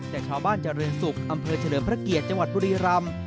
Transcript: แต่ชาวบ้านเจริญศุกร์อำเภอเฉลิมพระเกียรติจังหวัดบุรีรำ